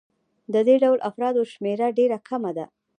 د دې ډول افرادو شمېره ډېره کمه ده